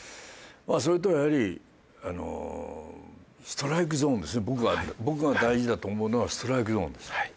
僕が大事だと思うのはストライクゾーンです。